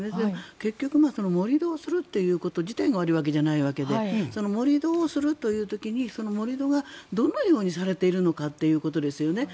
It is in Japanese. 結局盛り土をするということ自体が悪いわけじゃないわけで盛り土をするという時に盛り土がどのようにされているのかということですよね。